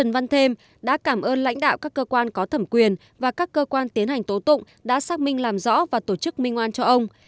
và chỉ đạo các cơ quan có thẩm quyền và các cơ quan tiến hành tố tụng đã xác minh làm rõ và tổ chức minh oan cho ông